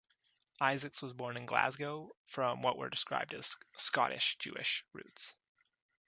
Isaacs was born in Glasgow from what were described as "Scottish Jewish roots".